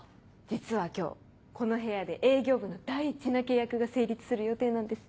実は今日この部屋で営業部の大事な契約が成立する予定なんです。